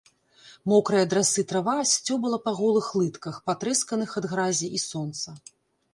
Мокрая ад расы трава сцёбала па голых лытках, патрэсканых ад гразі і сонца.